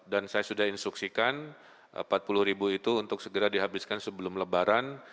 dan saya sudah instruksikan rp empat puluh itu untuk segera dihabiskan sebelum lebaran